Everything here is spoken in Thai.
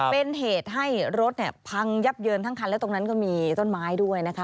เป็นเหตุให้รถเนี่ยพังยับเยินทั้งคันและตรงนั้นก็มีต้นไม้ด้วยนะคะ